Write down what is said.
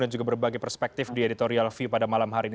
dan juga berbagi perspektif di editorial viu pada malam hari ini